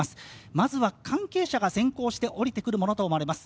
まずは関係者が先行して降りてくるものとみられます。